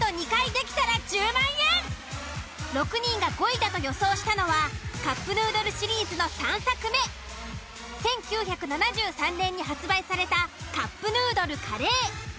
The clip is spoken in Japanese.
６人が５位だと予想したのはカップヌードルシリーズの３作目１９７３年に発売されたカップヌードルカレー。